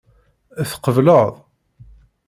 Tqebled?